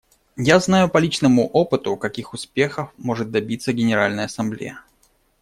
Я знаю по личному опыту, каких успехов может добиться Генеральная Ассамблея.